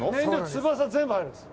翼全部入るんです。